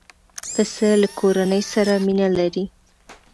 پسه له کورنۍ سره مینه لري.